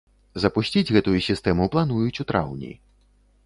Запусціць гэтую сістэму плануюць у траўні.